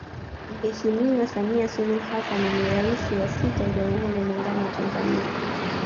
Mheshimiwa Samia Suluhu Hassan ni Rais wa sita wa Jamhuri ya Muungano wa Tanzania